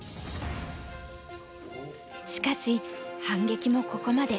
しかし反撃もここまで。